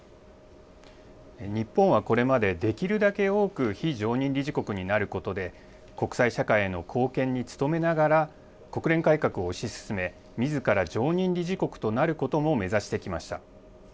日本はこれまでできるだけ多く非常任理事国になることで、国際社会への貢献に努めながら、国連改革を推し進め、みずから常任理事国となることも目指してきました。